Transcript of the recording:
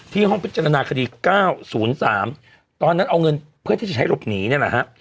ที่ห้องพิจารณาคดีเก้าศูนย์สามตอนนั้นเอาเงินเพื่อที่จะใช้รบหนีเนี้ยนะฮะ